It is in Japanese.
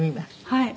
「はい」